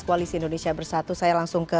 koalisi indonesia bersatu saya langsung ke